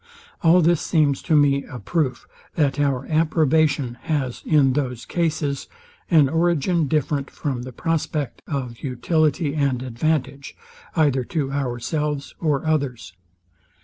All this seems to me a proof, that our approbation has, in those cases, an origin different from the prospect of utility and advantage, either to ourselves or others.